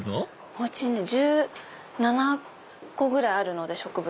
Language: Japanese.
おうちに１７個ぐらいあるので植物が。